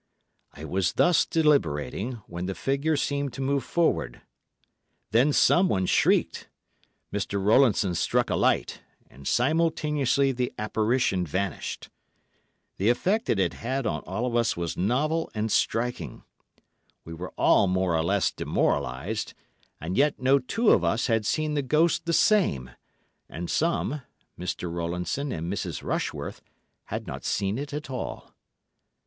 I was thus deliberating, when the figure seemed to move forward; then someone shrieked. Mr. Rowlandson struck a light, and simultaneously the apparition vanished. The effect it had had on us all was novel and striking—we were all more or less demoralized; and yet no two of us had seen the ghost the same—and some, Mr. Rowlandson and Mrs. Rushworth, had not seen it at all.